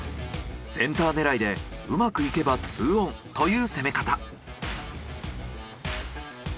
センター狙いでうまくいけば２オンという攻め方。